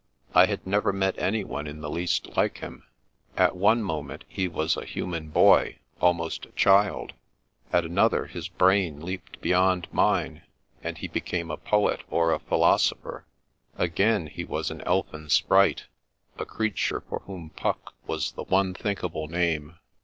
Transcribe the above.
I had never met anyone in the least like him. At one moment he was a human boy, almost a child ; at another his brain leaped beyond mine, and he became a poet or a philosopher ; again he was an elfin sprite, a creature for whom Puck was the one thinkable name.